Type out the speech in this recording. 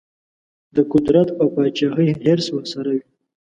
د قدرت او پاچهي حرص ورسره وي.